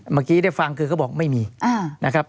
เมื่อกี้ได้ฟังคือเขาบอกไม่มีนะครับ